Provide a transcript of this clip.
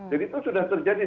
jadi itu sudah terjadi